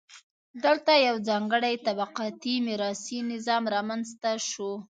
دلته یو ځانګړی طبقاتي میراثي نظام رامنځته شو.